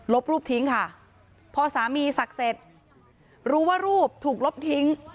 รูปทิ้งค่ะพอสามีศักดิ์เสร็จรู้ว่ารูปถูกลบทิ้ง